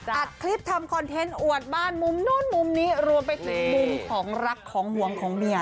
อัดคลิปทำคอนเทนต์อวดบ้านมุมนู้นมุมนี้รวมไปถึงมุมของรักของห่วงของเมีย